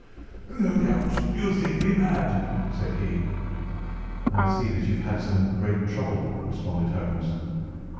"No doubt you think me mad?" said he. "I see that you have had some great trouble," responded Holmes.